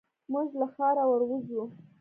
موږ له ښاره ور وځو.